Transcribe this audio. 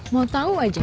mau tau aja